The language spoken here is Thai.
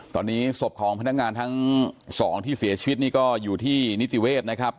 ตอนนี้ศพของพนักงานทั้งสองที่เสียชีวิตนี่ก็อยู่ที่นิติเวศนะครับ